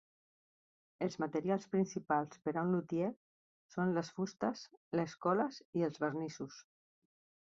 Els materials principals per a un lutier són les fustes, les coles i els vernissos.